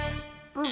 うん。